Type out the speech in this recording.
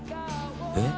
えっ？